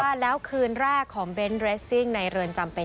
คุณผู้ชมเป็นที่แน่นอนแล้วนะคะว่าอย่างน้อยคืนนี้เนี่ยคุณเบ้นต้องนอนคุกแน่นอน